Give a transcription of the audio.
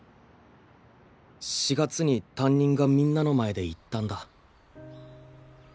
４月に担任がみんなの前で言ったんだ。